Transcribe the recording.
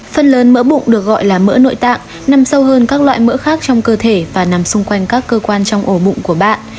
phần lớn mỡ bụng được gọi là mỡ nội tạng nằm sâu hơn các loại mỡ khác trong cơ thể và nằm xung quanh các cơ quan trong ổ bụng của bạn